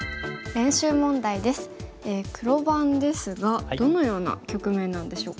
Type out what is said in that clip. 黒番ですがどのような局面なんでしょうか？